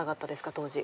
当時。